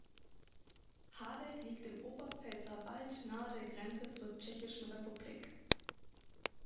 Hardeck liegt im Oberpfälzer Wald nahe der Grenze zur Tschechischen Republik.